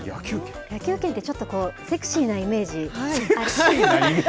野球拳ってちょっとセクシーなイメージ。